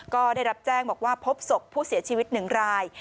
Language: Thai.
ก็ได้รับแจ้งบอกว่าพบศพผู้เสียชีวิต๑ราย